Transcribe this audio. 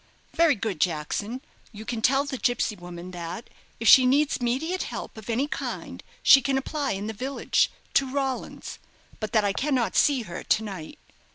"Very good, Jackson. You can tell the gipsy woman that, if she needs immediate help of any kind, she can apply in the village, to Rawlins, but that I cannot see her to night."